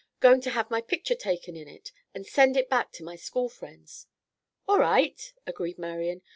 Going to have my picture taken in it and send it back to my school friends." "All right," agreed Marian.